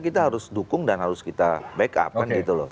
kita harus dukung dan harus kita backup kan gitu loh